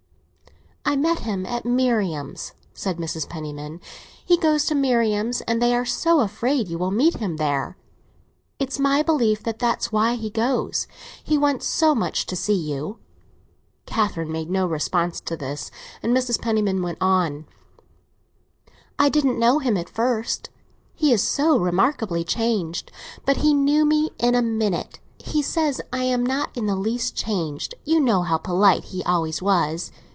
"I met him at Marian's," said Mrs. Penniman. "He goes to Marian's, and they are so afraid you will meet him there. It's my belief that that's why he goes. He wants so much to see you." Catherine made no response to this, and Mrs. Penniman went on. "I didn't know him at first; he is so remarkably changed. But he knew me in a minute. He says I am not in the least changed. You know how polite he always was.